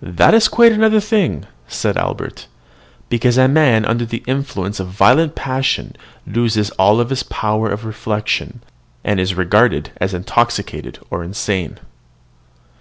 "That is quite another thing," said Albert; "because a man under the influence of violent passion loses all power of reflection, and is regarded as intoxicated or insane."